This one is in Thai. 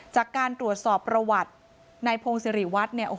จากการตรวจสอบประวัติในพงศ์สิริวัตร